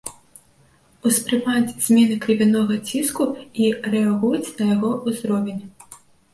Успрымаюць змены крывянога ціску і рэагуюць на яго ўзровень.